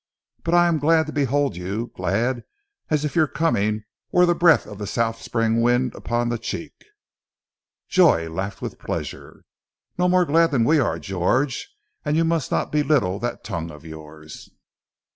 But glad am I to behold you, glad as if your coming were the breath of the south spring wind upon the cheek." Joy laughed with pleasure. "Not more glad than are we, George. And you must not belittle that tongue of yours.